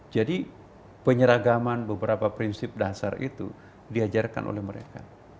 jadi penyeragaman beberapa prinsip dasar itu diajarkan oleh mereka